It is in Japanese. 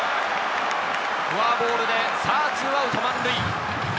フォアボールでさぁ２アウト満塁。